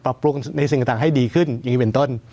ปรับปรุงในสิ่งต่างให้ดีขึ้นอย่างนี้เป็นต้น